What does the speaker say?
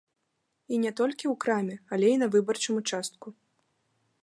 І не толькі ў краме, але і на выбарчым участку.